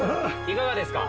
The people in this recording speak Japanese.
いかがですか？